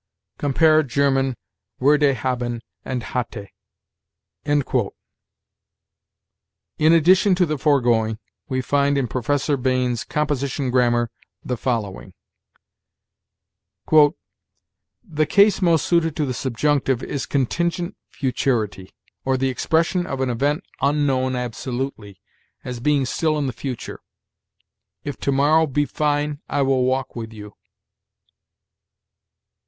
Compare Germ. würde haben and hätte." In addition to the foregoing, we find in Professor Bain's "Composition Grammar" the following: "The case most suited to the subjunctive is contingent futurity, or the expression of an event unknown absolutely, as being still in the future: 'If to morrow be fine, I will walk with you.'